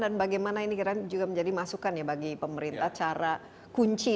apa kunci dari keberhasilan brin ini